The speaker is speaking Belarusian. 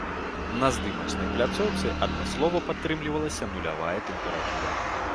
На здымачнай пляцоўцы адмыслова падтрымлівалася нулявая тэмпература.